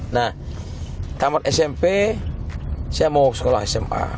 nah tamat smp saya mau sekolah sma